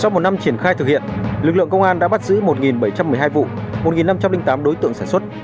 trong một năm triển khai thực hiện lực lượng công an đã bắt giữ một bảy trăm một mươi hai vụ một năm trăm linh tám đối tượng sản xuất